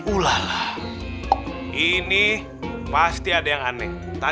udah lepas tangannya